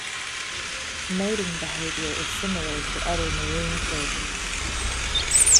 Mating behaviour is similar to other marine turtles.